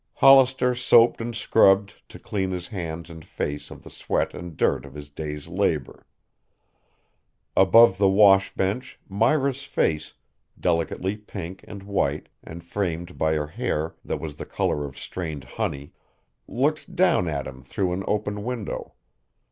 Hollister soaped and scrubbed to clean his hands and face of the sweat and dirt of his day's labor. Above the wash bench Myra's face, delicately pink and white and framed by her hair that was the color of strained honey, looked down at him through an open window.